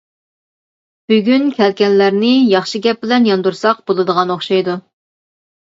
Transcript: بۈگۈن كەلگەنلەرنى ياخشى گەپ بىلەن ياندۇرساق بولىدىغان ئوخشايدۇ.